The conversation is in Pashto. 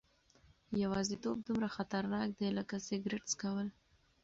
یوازیتوب دومره خطرناک دی لکه سګرټ څکول.